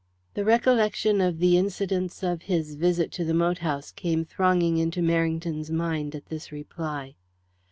The recollection of the incidents of his visit to the moat house came thronging into Merrington's mind at this reply.